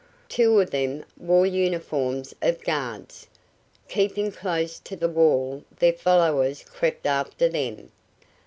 Two of them wore uniforms of guards. Keeping close to the wall their followers crept after them.